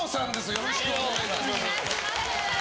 よろしくお願いします！